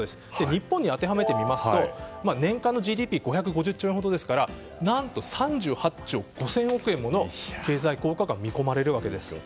日本に当てはめてみますと年間のＧＤＰは５５０兆円ほどで何と３８兆５０００億円もの経済効果が見込まれるわけです。